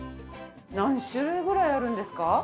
何種類ぐらいあるんですか？